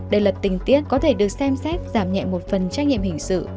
đề lật tình tiết có thể được xem xét giảm nhẹ một phần trách nhiệm hình sự